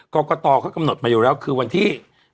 กรกตเขากำหนดมาอยู่แล้วคือวันที่